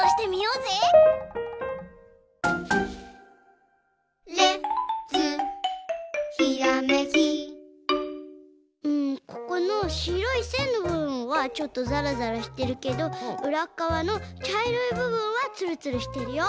うんここのしろいせんのぶぶんはちょっとザラザラしてるけどうらっかわのちゃいろいぶぶんはツルツルしてるよ。